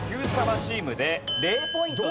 チームで０ポイントです。